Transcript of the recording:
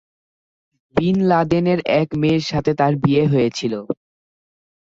বিন লাদেনের এক মেয়ের সাথে তার বিয়ে হয়েছিল।